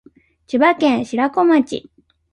千葉県白子町